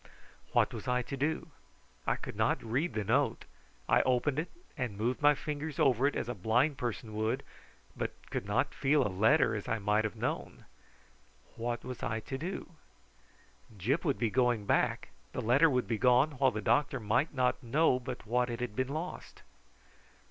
What was I to do? I could not read the note. I opened it and moved my fingers over it as a blind person would, but could not feel a letter, as I might have known. What was I to do? Gyp would be going back. The letter would be gone, while the doctor might not know but what it had been lost.